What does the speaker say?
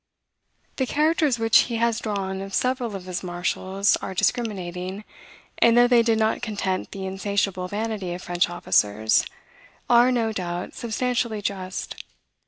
The characters which he has drawn of several of his marshals are discriminating, and, though they did not content the insatiable vanity of French officers, are, no doubt, substantially just.